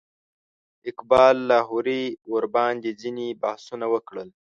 اقبال لاهوري ورباندې ځینې بحثونه وکړل.